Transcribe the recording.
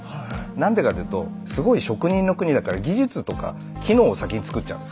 何でかというとすごい職人の国だから技術とか機能を先に作っちゃう。